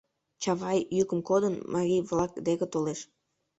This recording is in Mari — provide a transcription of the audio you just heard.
Чавай, йӱкым кодын, марий-влак деке толеш.